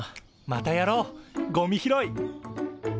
またやろうゴミ拾い！